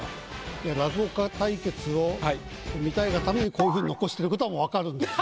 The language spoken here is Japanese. いや落語家対決を見たいがためにこういう風に残してることは分かるんですよ。